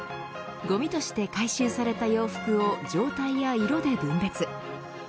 ゴミとして回収された洋服を状態や色で分別。